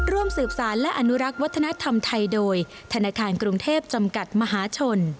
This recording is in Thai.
ร่วมสืบสารและอนุรักษ์วัฒนธรรมไทยโดยธนาคารกรุงเทพจำกัดมหาชน